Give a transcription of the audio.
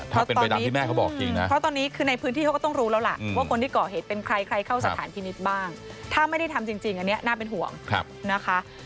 ถ้าไม่ได้ทำจริงจริงอันเนี้ยน่าเป็นห่วงครับนะคะ